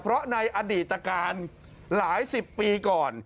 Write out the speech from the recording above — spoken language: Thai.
เพราะในอดีตการหลายสิบปีก่อน